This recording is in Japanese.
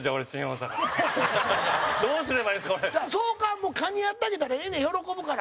さんま：それかカニやってあげたらええねん喜ぶから。